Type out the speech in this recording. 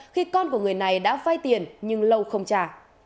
khi con của người này đã phai tiền nhưng lâu không trả